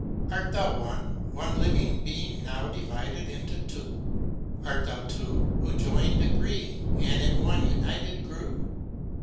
Art thou one — one living being Now divided into two? Art thou two, who joined agreeing And in one united grew?